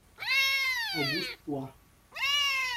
Augusto Pua